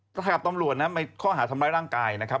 สำหรับตำรวจนะครับข้ออาหารทำร้ายร่างกายนะครับ